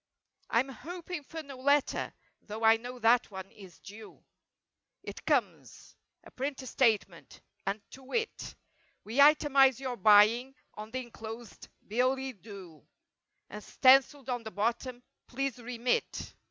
I'm hoping for no letter—though I know that one is due. It comes. A printed statement. And "To wit"— "We itimize your buying on the inclosed 'Billy do' And stenciled on the bottom—'Please remit!